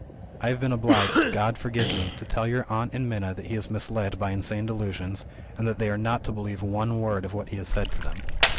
I have been obliged God forgive me! to tell your aunt and Minna that he is misled by insane delusions, and that they are not to believe one word of what he has said to them."